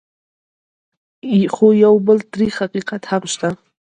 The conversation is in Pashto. خو یو بل تريخ حقیقت هم شته: